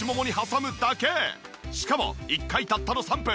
しかも１回たったの３分。